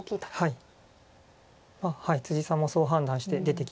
はい。